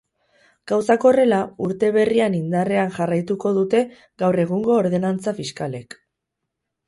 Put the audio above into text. Gauzak horrela, urte berrian indarrean jarraituko dute gaur egungo ordenantza fiskalek.